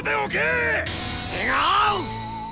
違う！